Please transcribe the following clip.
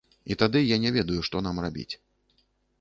І тады я не ведаю, што нам рабіць.